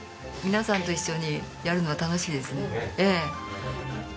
皆さんと一緒にやるのが楽しいですね。